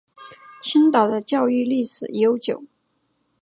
青岛的教育历史悠久。